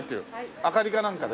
明かりかなんかで？